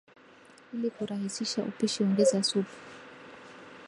Ili kurahisisha upishi ongeza supu